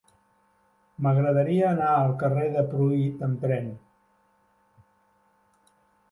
M'agradaria anar al carrer de Pruit amb tren.